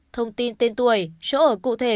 thông tin tên tuổi chỗ ở cụ thể